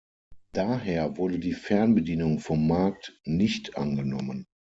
Daher wurde die Fernbedienung vom Markt nicht angenommen.